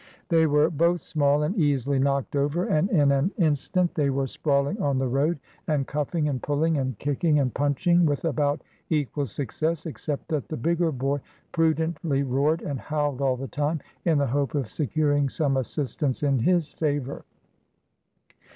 They were both small and easily knocked over, and in an instant they were sprawling on the road, and cuffing, and pulling, and kicking, and punching with about equal success, except that the bigger boy prudently roared and howled all the time, in the hope of securing some assistance in his favor.